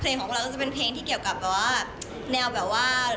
ของเราก็จะเป็นเพลงที่เกี่ยวกับแบบว่าแนวแบบว่า